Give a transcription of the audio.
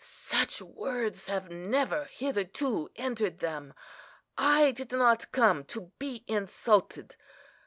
—such words have never hitherto entered them. I did not come to be insulted.